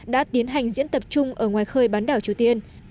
đã tiến hành diễn tập chung ở ngoài khơi bán đảo triều tiên